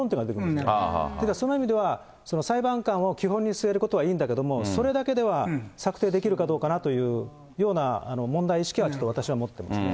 ですからその意味では裁判官を基本に据えることはいいんだけども、それだけでは、策定できるかどうかなという問題意識は一つ、私は持ってますね。